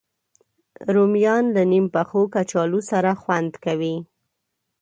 رومیان له نیم پخو کچالو سره خوند کوي